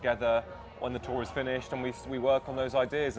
ketika tour selesai kita bekerja dengan ide ide tersebut